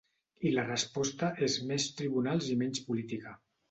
I la resposta és més tribunals i menys política.